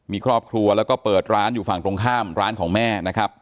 มีครอบครัวแล้วก็เปิดร้านอยู่ฝั่งตรงข้ามร้านของแม่นะครับ